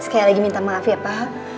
sekali lagi minta maaf ya pak